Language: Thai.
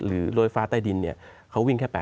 หรือโรยฟ้าใต้ดินเนี่ยเขาวิ่งแค่๘๐